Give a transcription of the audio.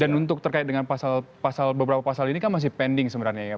dan untuk terkait dengan pasal pasal beberapa pasal ini kan masih pending sebenarnya ya